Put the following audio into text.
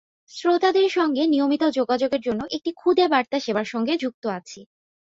শ্রোতাদের সঙ্গে নিয়মিত যোগাযোগের জন্য একটি খুদেবার্তা সেবার সঙ্গে যুক্ত আছি।